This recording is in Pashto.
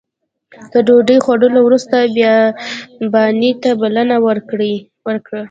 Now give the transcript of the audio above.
تر ډوډۍ خوړلو وروسته بیاباني ته بلنه ورکړه.